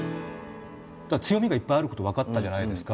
強みがいっぱいあること分かったじゃないですか。